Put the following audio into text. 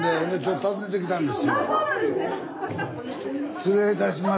失礼いたします。